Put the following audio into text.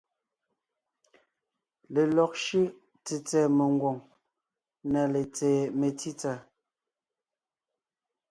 Lelɔg shʉ́ʼ tsètsɛ̀ɛ mengwòŋ na letseen metsítsà.